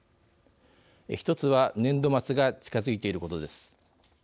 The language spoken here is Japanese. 一つは年度末が近づいていることです。